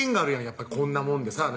やっぱりこんなもんでさ